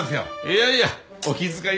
いやいや。